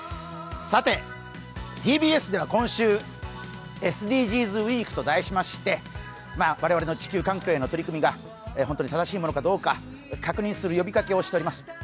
さて、ＴＢＳでは今週、ＳＤＧｓウィークと題しまして我々の地球環境への取り組みが本当に正しいのかどうか確認する呼びかけをしております。